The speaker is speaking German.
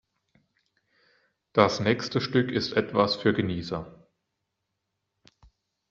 Das nächste Stück ist etwas für Genießer.